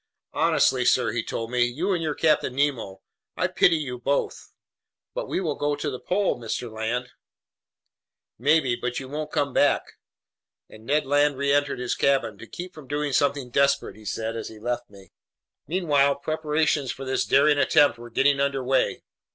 "Honestly, sir," he told me. "You and your Captain Nemo, I pity you both!" "But we will go to the pole, Mr. Land." "Maybe, but you won't come back!" And Ned Land reentered his cabin, "to keep from doing something desperate," he said as he left me. Meanwhile preparations for this daring attempt were getting under way.